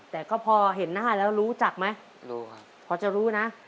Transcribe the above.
แต่ก็พอเห็นหน้าแล้วรู้จักไหมรู้ครับพอจะรู้นะ